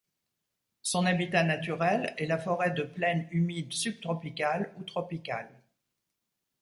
Son habitat naturel est la forêt de plaine humide subtropicale ou tropicale.